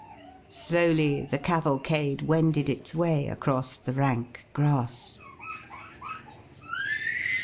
Slowly the cavalcade wended its way across the rank grass....